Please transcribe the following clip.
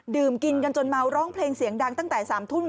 ดื่มกินกันจนเมาร้องเพลงเสียงดังตั้งแต่๓ทุ่ม